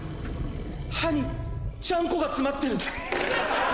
歯にちゃんこが詰まってる！